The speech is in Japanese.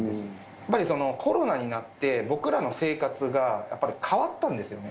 やっぱりその、コロナになって、僕らの生活がやっぱり変わったんですよね。